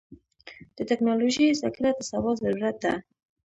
د ټکنالوژۍ زدهکړه د سبا ضرورت ده.